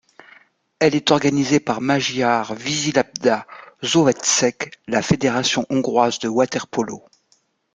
Elle est organisée par Magyar Vízilabda Szövetség, la fédération hongroise de water-polo.